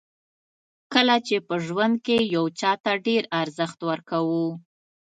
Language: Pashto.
کله چې په ژوند کې یو چاته ډېر ارزښت ورکوو.